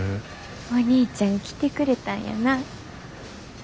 お兄ちゃん来てくれたんやな。